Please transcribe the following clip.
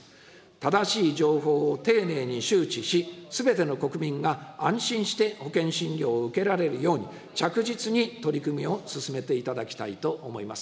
正しい情報を丁寧に周知し、すべての国民が安心して保険診療を受けられるように、着実に取り組みを進めていただきたいと思います。